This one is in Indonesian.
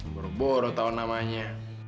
baru baru tahu namanya